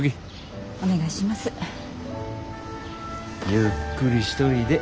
ゆっくりしといで。